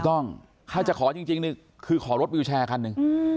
ต้องถ้าจะขอจริงนี่คือขอรถวิวแชร์คันหนึ่ง